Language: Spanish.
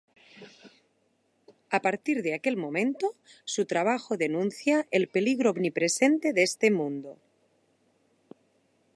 A partir de aquel momento, su trabajo denuncia el peligro omnipresente de este mundo.